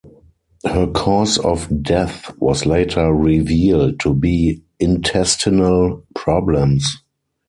Her cause of death was later revealed to be intestinal problems.